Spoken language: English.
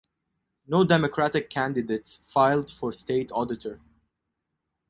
No Democratic candidates filed for State Auditor.